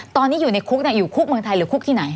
ตอนนี้อยู่ในคุกอยู่คุกเมืองไทยหรือคุกที่ไหน